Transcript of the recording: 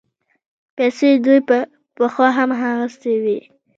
پيسې دوی پخوا هم اخيستې وې.